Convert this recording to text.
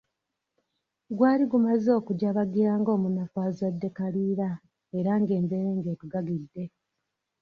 Gwali gumaze okujabagira ng'omunafu azadde kaliira era ng'emberenge etugagidde.